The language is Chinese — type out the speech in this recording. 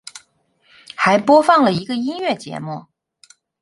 还播放了一个音乐节目。